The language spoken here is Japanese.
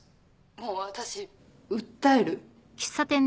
もう私訴える。